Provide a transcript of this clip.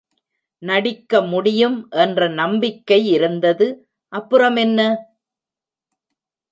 நடிக்க முடியும் என்ற நம்பிக்கையிருந்தது, அப்புறமென்ன?